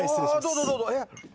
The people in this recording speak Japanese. どうぞどうぞ。